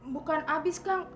bukan abis kang